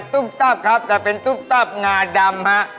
ตุ๊บตับครับแต่เป็นตุ๊บตับงาดำฮะ